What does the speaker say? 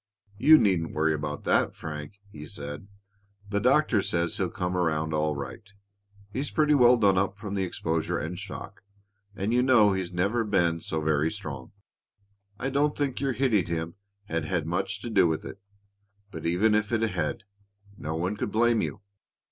"You needn't worry about that, Frank," he said. "The doctor says he'll come around all right. He's pretty well done up from the exposure and shock, and you know he's never been so very strong. I don't think your hitting him has had much to do with it, but even if it had, no one could blame you.